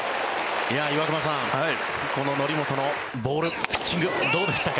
岩隈さん、この則本のボールピッチング、どうでしたか？